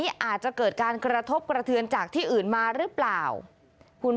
พาพนักงานสอบสวนสนราชบุรณะพาพนักงานสอบสวนสนราชบุรณะ